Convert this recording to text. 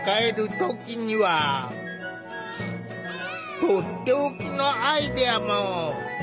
とっておきのアイデアも。